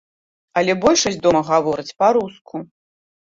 Але большасць дома гаворыць па-руску.